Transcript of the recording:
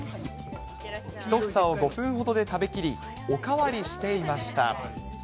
１房を５分ほどで食べきり、お代わりしていました。